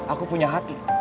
aku punya hati